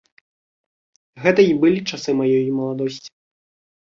Гэта і былі часы маёй маладосці.